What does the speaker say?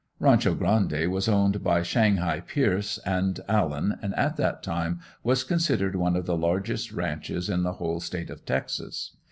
"Rancho Grande" was owned by "Shanghai" Pierce and Allen and at that time was considered one of the largest ranches in the whole state of Texas.